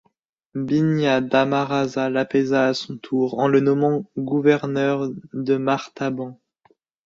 Binnya Dhammaraza l'apaisa à son tour en le nommant gouverneur de Martaban.